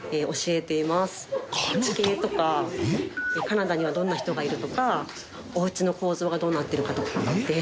地形とかカナダにはどんな人がいるとかお家の構造がどうなっているかとかです。